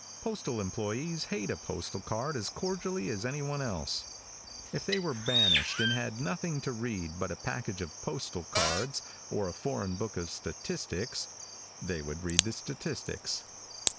Postal employés hate a postal card as cordially as anyone else. If they were banished and had nothing to read but a package of postal cards, or a foreign book of statistics, they would read the statistics.